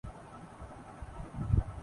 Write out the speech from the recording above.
آج ہمیںدونوں سطحوں کی دانش درکار ہے